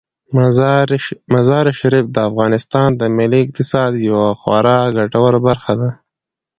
مزارشریف د افغانستان د ملي اقتصاد یوه خورا ګټوره برخه ده.